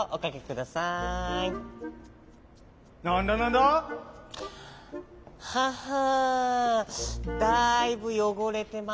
だいぶよごれてますね。